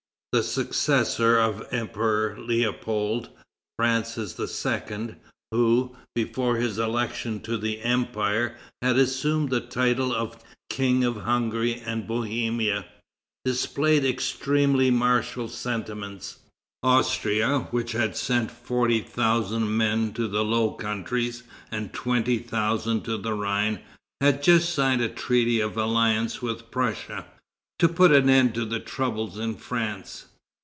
The successor of the Emperor Leopold, Francis II., who, before his election to the Empire, had assumed the title of King of Hungary and Bohemia, displayed extremely martial sentiments. Austria, which had sent forty thousand men to the Low Countries and twenty thousand to the Rhine, had just signed a treaty of alliance with Prussia, "to put an end to the troubles in France."